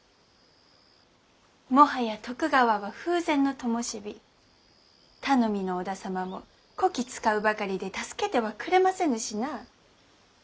もはや徳川は風前のともし火頼みの織田様もこき使うばかりで助けてはくれませぬしなあ。